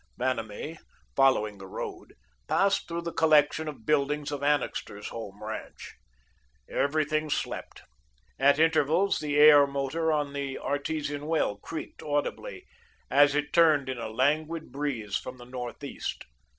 Vanamee, following the road, passed through the collection of buildings of Annixter's home ranch. Everything slept. At intervals, the aer motor on the artesian well creaked audibly, as it turned in a languid breeze from the northeast.